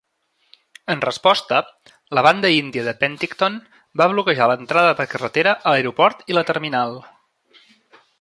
En resposta, la Banda Índia de Penticton va bloquejar l'entrada per carretera a l'aeroport i la terminal.